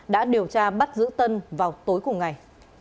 đã điều tra bắt giữ tân vào tối cùng ngày